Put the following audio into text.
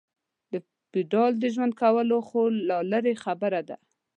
د فېوډال د ژوند کول خو لا لرې خبره ده.